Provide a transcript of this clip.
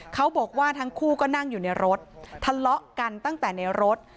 เขาบอกว่าทั้งคู่ก็นั่งอยู่ในรถทะเลาะกันตั้งแต่ในรถ